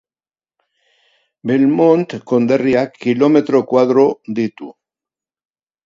Belmont konderriak kilometro koadro ditu.